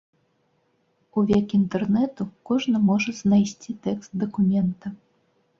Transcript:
У век інтэрнэту кожны можа знайсці тэкст дакумента.